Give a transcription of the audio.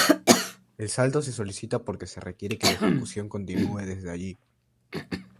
El salto se solicita porque se requiere que la ejecución continúe desde allí.